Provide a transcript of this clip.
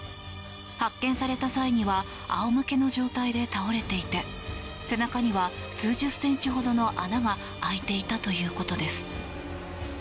発見された際には仰向けの状態で倒れていて背中には数十センチほどの穴が開いていたということです。